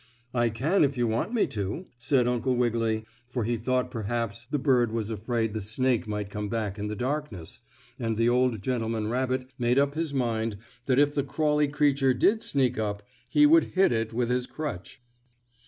"I can if you want me to," said Uncle Wiggily, for he thought perhaps the bird was afraid the snake might come back in the darkness, and the old gentleman rabbit made up his mind that if the crawly creature did sneak up, he would hit it with his crutch.